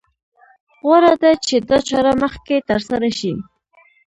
غوره ده چې دا چاره مخکې تر سره شي.